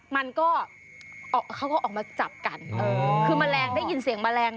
มันก็เขาก็ออกมาจับกันเออคือแมลงได้ยินเสียงแมลง